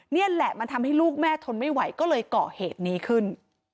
นี่แหละมันทำให้ลูกแม่ทนไม่ไหวก็เลยเกาะเหตุนี้ขึ้น